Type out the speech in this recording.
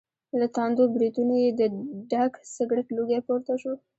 له تاندو برېتونو یې د ډک سګرټ لوګی پور ته شو.